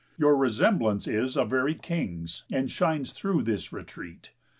Your resemblance is A very king's, and shines through this retreat.